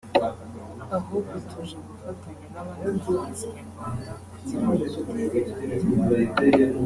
ahubwo tuje gufatanya n’abandi bahanzi nyarwanda kugira ngo dutere imbere